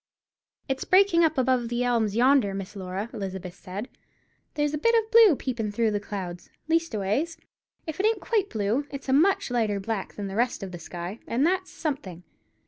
"It's breaking up above the elms yonder, Miss Laura," Elizabeth said; "there's a bit of blue peepin' through the clouds; leastways, if it ain't quite blue, it's a much lighter black than the rest of the sky, and that's something.